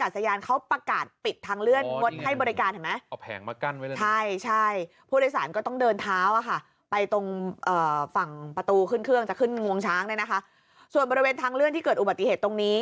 ส่วนบริเวณทางเลื่อนที่เกิดอุบัติเหตุตรงนี้